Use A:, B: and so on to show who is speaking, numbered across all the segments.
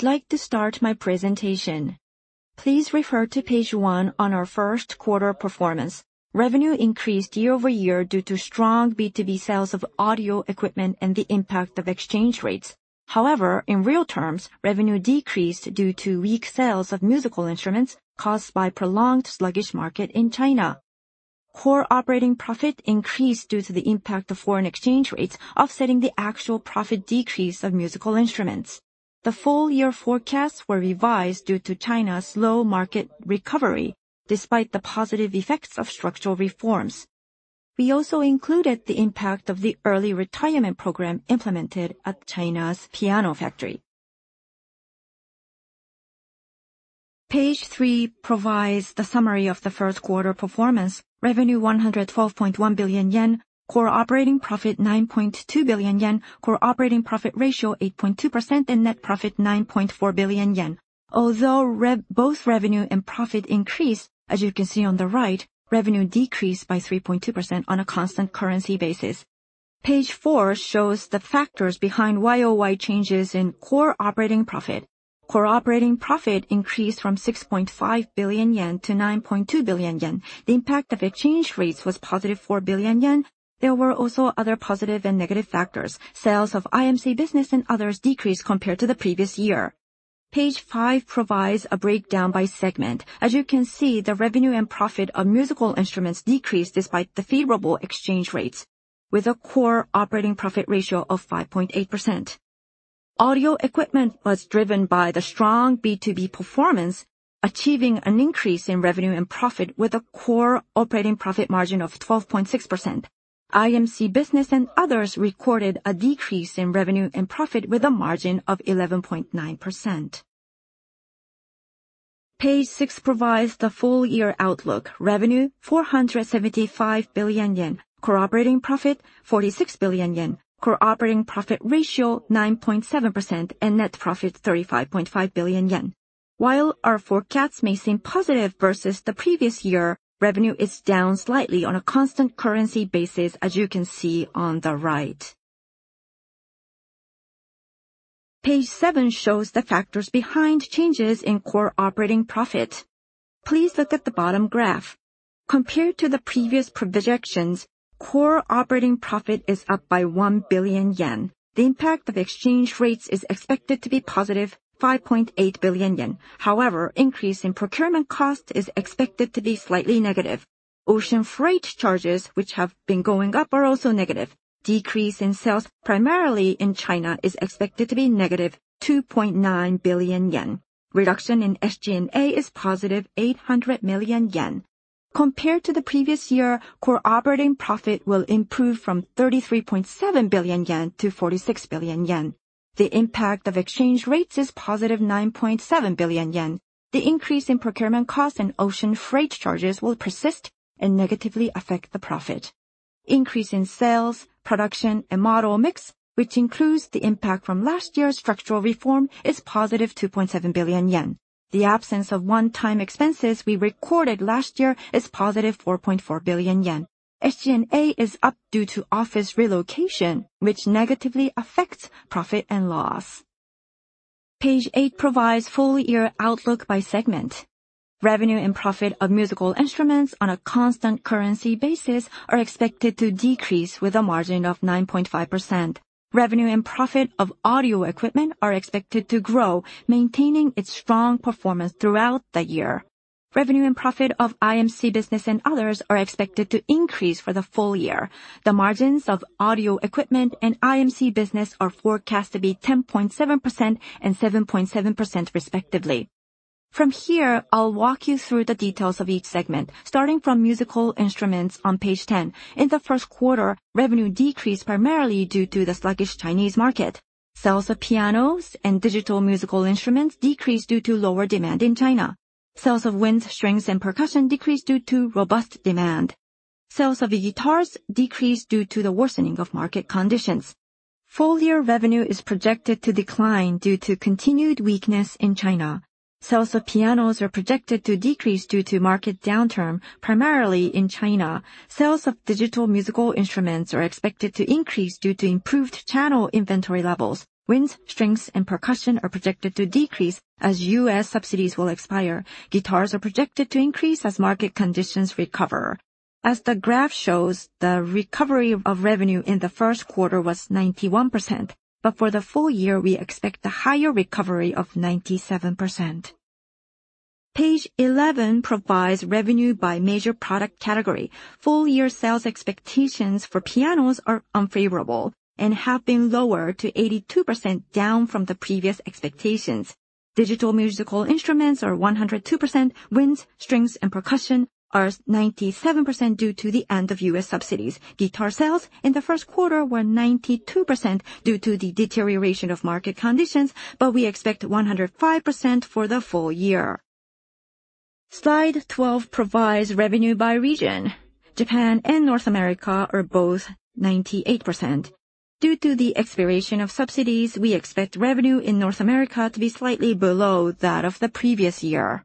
A: I'd like to start my presentation. Please refer to page 1 on our first-quarter performance: revenue increased year-over-year due to strong B2B sales of audio equipment and the impact of exchange rates. However, in real terms, revenue decreased due to weak sales of musical instruments caused by prolonged sluggish market in China. Core operating profit increased due to the impact of foreign exchange rates, offsetting the actual profit decrease of musical instruments. The full-year forecasts were revised due to China's slow market recovery, despite the positive effects of structural reforms. We also included the impact of the early retirement program implemented at China's piano factory. Page 3 provides the summary of the first-quarter performance: revenue 112.1 billion yen, core operating profit 9.2 billion yen, core operating profit ratio 8.2%, and net profit 9.4 billion yen. Although both revenue and profit increased, as you can see on the right, revenue decreased by 3.2% on a constant currency basis. Page four shows the factors behind YOY changes in core operating profit. Core operating profit increased from 6.5 billion yen to 9.2 billion yen. The impact of exchange rates was positive for 4 billion yen. There were also other positive and negative factors. Sales of IMC business and others decreased compared to the previous year. Page five provides a breakdown by segment. As you can see, the revenue and profit of musical instruments decreased despite the favorable exchange rates, with a core operating profit ratio of 5.8%. Audio equipment was driven by the strong B2B performance, achieving an increase in revenue and profit with a core operating profit margin of 12.6%. IMC business and others recorded a decrease in revenue and profit with a margin of 11.9%. Page six provides the full-year outlook: revenue 475 billion yen, core operating profit 46 billion yen, core operating profit ratio 9.7%, and net profit 35.5 billion yen. While our forecasts may seem positive versus the previous year, revenue is down slightly on a constant currency basis, as you can see on the right. Page seven shows the factors behind changes in core operating profit. Please look at the bottom graph. Compared to the previous projections, core operating profit is up by 1 billion yen. The impact of exchange rates is expected to be positive: 5.8 billion yen. However, an increase in procurement cost is expected to be slightly negative. Ocean freight charges, which have been going up, are also negative. A decrease in sales, primarily in China, is expected to be negative 2.9 billion yen. A reduction in SG&A is positive: 800 million yen. Compared to the previous year, core operating profit will improve from 33.7 billion-46 billion yen. The impact of exchange rates is positive 9.7 billion yen. The increase in procurement costs and ocean freight charges will persist and negatively affect the profit. An increase in sales, production, and model mix, which includes the impact from last year's structural reform, is positive 2.7 billion yen. The absence of one-time expenses we recorded last year is positive 4.4 billion yen. SG&A is up due to office relocation, which negatively affects profit and loss. Page eight provides the full-year outlook by segment. Revenue and profit of musical instruments on a constant currency basis are expected to decrease with a margin of 9.5%. Revenue and profit of audio equipment are expected to grow, maintaining its strong performance throughout the year. Revenue and profit of IMC business and others are expected to increase for the full year. The margins of audio equipment and IMC business are forecast to be 10.7% and 7.7%, respectively. From here, I'll walk you through the details of each segment, starting from musical instruments on page 10. In the first quarter, revenue decreased primarily due to the sluggish Chinese market. Sales of pianos and digital musical instruments decreased due to lower demand in China. Sales of winds, strings, and percussion decreased due to robust demand. Sales of guitars decreased due to the worsening of market conditions. Full-year revenue is projected to decline due to continued weakness in China. Sales of pianos are projected to decrease due to market downturn, primarily in China. Sales of digital musical instruments are expected to increase due to improved channel inventory levels. Winds, strings, and percussion are projected to decrease as U.S. subsidies will expire. Guitars are projected to increase as market conditions recover. As the graph shows, the recovery of revenue in the first quarter was 91%, but for the full year, we expect a higher recovery of 97%. Page 11 provides revenue by major product category. Full-year sales expectations for pianos are unfavorable and have been lower to 82%, down from the previous expectations. Digital musical instruments are 102%. Winds, strings, and percussion are 97% due to the end of U.S. subsidies. Guitar sales in the first quarter were 92% due to the deterioration of market conditions, but we expect 105% for the full year. Slide 12 provides revenue by region. Japan and North America are both 98%. Due to the expiration of subsidies, we expect revenue in North America to be slightly below that of the previous year.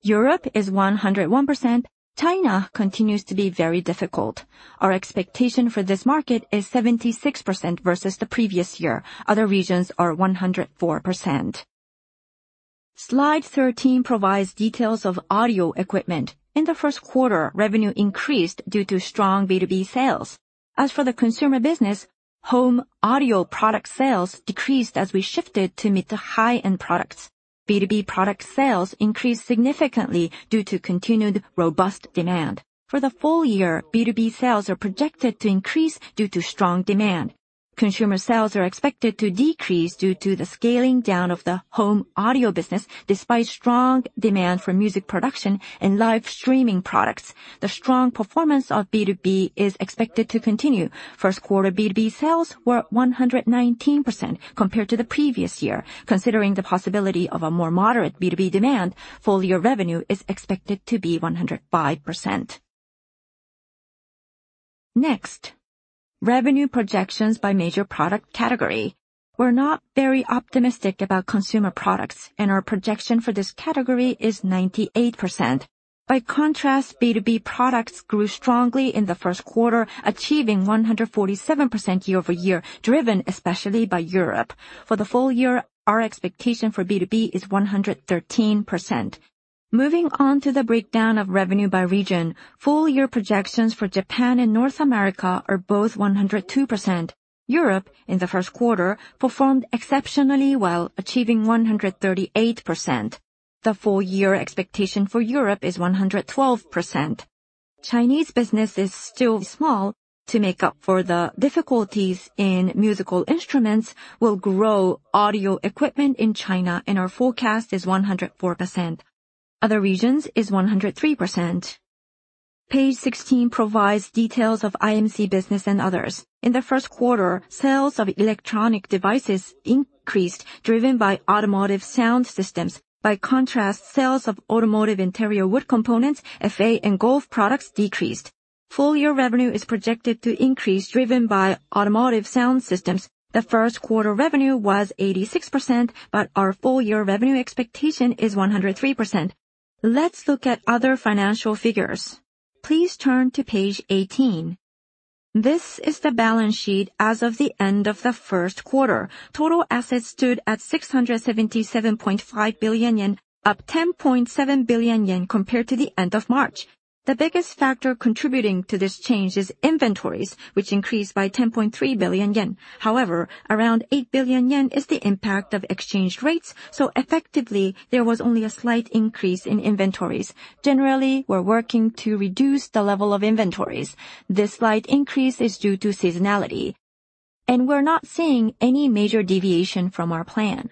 A: Europe is 101%. China continues to be very difficult. Our expectation for this market is 76% versus the previous year. Other regions are 104%. Slide 13 provides details of audio equipment. In the first quarter, revenue increased due to strong B2B sales. As for the consumer business, home audio product sales decreased as we shifted to mid-to-high-end products. B2B product sales increased significantly due to continued robust demand. For the full year, B2B sales are projected to increase due to strong demand. Consumer sales are expected to decrease due to the scaling down of the home audio business, despite strong demand for music production and live streaming products. The strong performance of B2B is expected to continue. First-quarter B2B sales were 119% compared to the previous year. Considering the possibility of a more moderate B2B demand, full-year revenue is expected to be 105%. Next, revenue projections by major product category. We're not very optimistic about consumer products, and our projection for this category is 98%. By contrast, B2B products grew strongly in the first quarter, achieving 147% year-over-year, driven especially by Europe. For the full year, our expectation for B2B is 113%. Moving on to the breakdown of revenue by region, full-year projections for Japan and North America are both 102%. Europe, in the first quarter, performed exceptionally well, achieving 138%. The full-year expectation for Europe is 112%. Chinese business is still small to make up for the difficulties in musical instruments. We'll grow audio equipment in China, and our forecast is 104%. Other regions is 103%. Page 16 provides details of IMC business and others. In the first quarter, sales of electronic devices increased, driven by automotive sound systems. By contrast, sales of automotive interior wood components, FA, and golf products decreased. Full-year revenue is projected to increase, driven by automotive sound systems. The first-quarter revenue was 86%, but our full-year revenue expectation is 103%. Let's look at other financial figures. Please turn to page 18. This is the balance sheet as of the end of the first quarter. Total assets stood at 677.5 billion yen, up 10.7 billion yen compared to the end of March. The biggest factor contributing to this change is inventories, which increased by 10.3 billion yen. However, around 8 billion yen is the impact of exchange rates, so effectively, there was only a slight increase in inventories. Generally, we're working to reduce the level of inventories. This slight increase is due to seasonality, and we're not seeing any major deviation from our plan.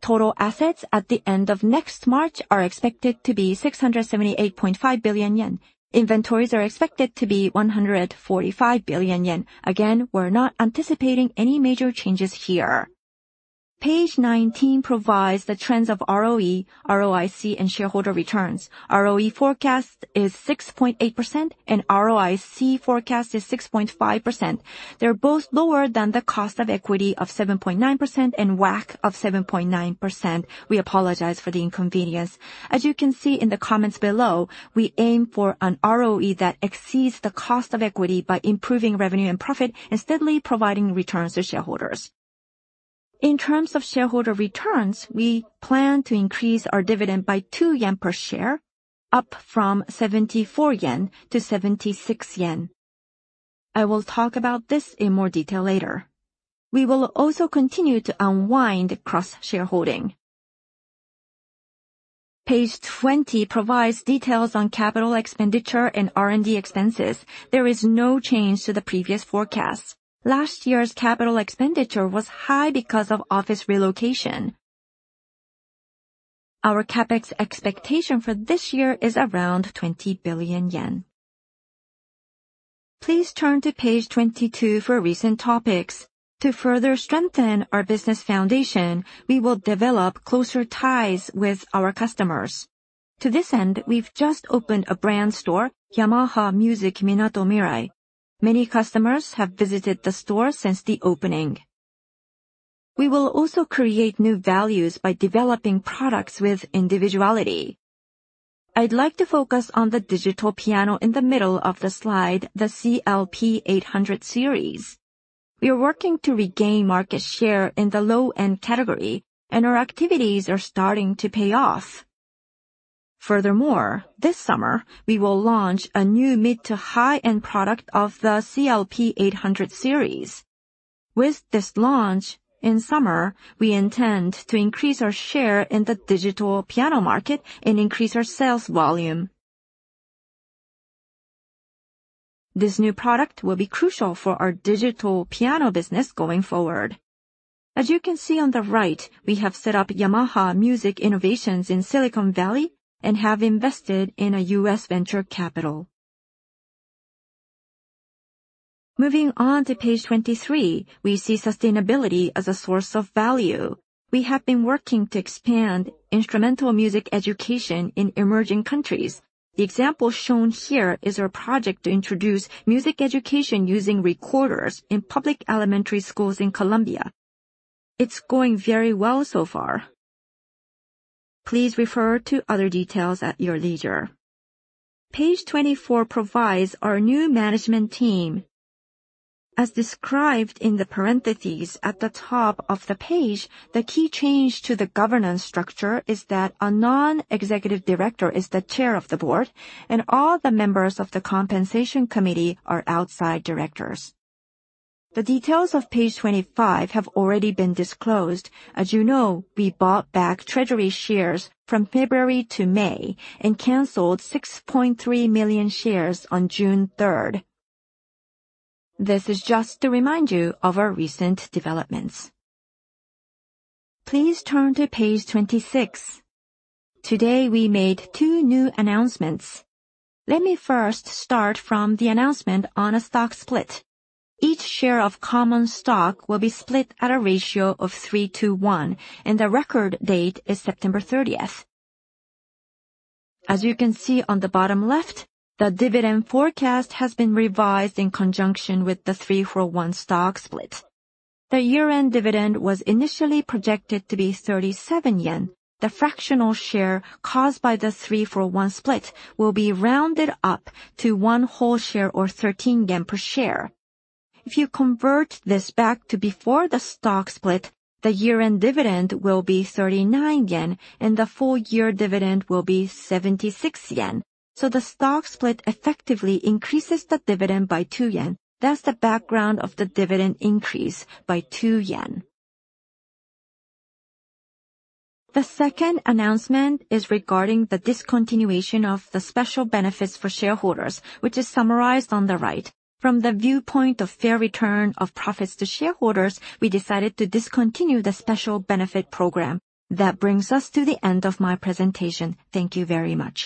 A: Total assets at the end of next March are expected to be 678.5 billion yen. Inventories are expected to be 145 billion yen. Again, we're not anticipating any major changes here. Page 19 provides the trends of ROE, ROIC, and shareholder returns. ROE forecast is 6.8%, and ROIC forecast is 6.5%. They're both lower than the cost of equity of 7.9% and WACC of 7.9%. We apologize for the inconvenience. As you can see in the comments below, we aim for an ROE that exceeds the cost of equity by improving revenue and profit and steadily providing returns to shareholders. In terms of shareholder returns, we plan to increase our dividend by 2 yen per share, up from 74-76 yen. I will talk about this in more detail later. We will also continue to unwind cross-shareholding. Page 20 provides details on capital expenditure and R&D expenses. There is no change to the previous forecasts. Last year's capital expenditure was high because of office relocation. Our CapEx expectation for this year is around 20 billion yen. Please turn to page 22 for recent topics. To further strengthen our business foundation, we will develop closer ties with our customers. To this end, we've just opened a brand store, Yamaha Music Minato Mirai. Many customers have visited the store since the opening. We will also create new values by developing products with individuality. I'd like to focus on the digital piano in the middle of the slide, the CLP-800 series. We are working to regain market share in the low-end category, and our activities are starting to pay off. Furthermore, this summer, we will launch a new mid-to-high-end product of the CLP-800 series. With this launch in summer, we intend to increase our share in the digital piano market and increase our sales volume. This new product will be crucial for our digital piano business going forward. As you can see on the right, we have set up Yamaha Music Innovations in Silicon Valley and have invested in a U.S. venture capital. Moving on to page 23, we see sustainability as a source of value. We have been working to expand instrumental music education in emerging countries. The example shown here is our project to introduce music education using recorders in public elementary schools in Colombia. It's going very well so far. Please refer to other details at your leisure. Page 24 provides our new management team. As described in the parentheses at the top of the page, the key change to the governance structure is that a non-executive director is the chair of the board, and all the members of the compensation committee are outside directors. The details of page 25 have already been disclosed. As you know, we bought back treasury shares from February to May and canceled 6.3 million shares on June 3rd. This is just to remind you of our recent developments. Please turn to page 26. Today, we made 2 new announcements. Let me first start from the announcement on a stock split. Each share of common stock will be split at a ratio of 3:1, and the record date is September 30th. As you can see on the bottom left, the dividend forecast has been revised in conjunction with the 3-for-1 stock split. The year-end dividend was initially projected to be 37 yen. The fractional share caused by the 3-for-1 split will be rounded up to 1 whole share or 13 yen per share. If you convert this back to before the stock split, the year-end dividend will be 39 yen, and the full-year dividend will be 76 yen. So the stock split effectively increases the dividend by 2 yen. That's the background of the dividend increase by 2 yen. The second announcement is regarding the discontinuation of the special benefits for shareholders, which is summarized on the right. From the viewpoint of fair return of profits to shareholders, we decided to discontinue the special benefit program. That brings us to the end of my presentation. Thank you very much.